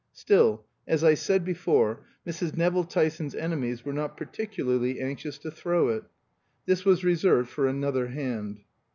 Still, as I said before, Mrs. Nevill Tyson's enemies were not particularly anxious to throw it. This was reserved for another hand.